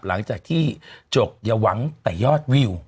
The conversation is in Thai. หลังจากที่จบอย่าหวังแต่ยอดวิว